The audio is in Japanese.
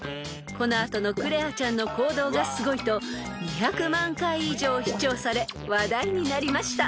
［この後のクレアちゃんの行動がすごいと２００万回以上視聴され話題になりました］